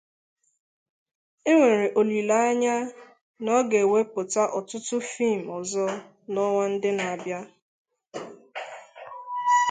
Enwere olile anya na ọ ga ewepụta ọtụtụ fim ọzọ na ọnwa ndị na-abịa.